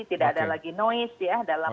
tidak ada lagi noise